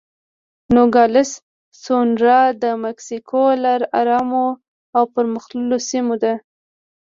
نوګالس سونورا د مکسیکو له ارامو او پرمختللو سیمو ده.